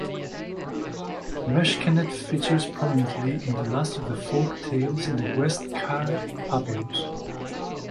Meskhenet features prominently in the last of the folktales in the Westcar Papyrus.